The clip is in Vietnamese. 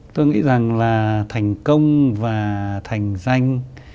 tôi nghĩ rằng là thành công và thành danh